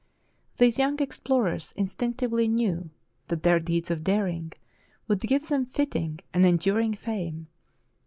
These young explorers instinctively knew that their deeds of daring would give them fitting and enduring fame.